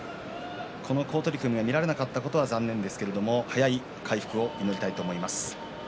この好取組が見られなかったことは残念ですが早い回復を祈りたいと思います。